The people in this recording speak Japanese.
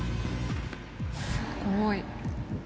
すごい。